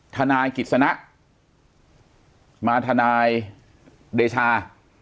ทนายกิจสนะมาทนายเดชา